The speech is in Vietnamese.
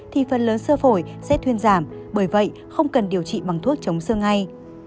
thì phần lớn sơ phổi sẽ thuyên giảm bởi vậy không cần điều trị bằng thuốc chống sơ ngay